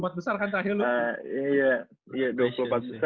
iya dua puluh empat besar terus